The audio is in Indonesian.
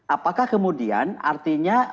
apakah kemudian artinya